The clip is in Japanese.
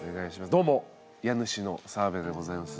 どうも家主の澤部でございます。